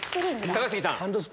高杉さん